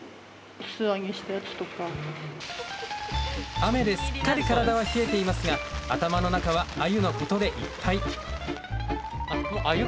雨ですっかり体は冷えていますが頭の中はアユのことでいっぱい。